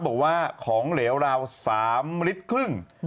บอกว่าของเหลวราว๓ลิตรครึ่ง